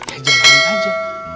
ya jangan aja